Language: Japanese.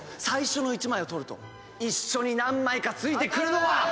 最初の１枚を取ると一緒に何枚かついてくるのは。